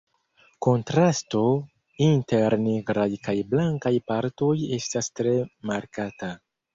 Kontrasto inter nigraj kaj blankaj partoj estas tre markata.